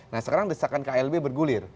nah sekarang desakan klb bergulir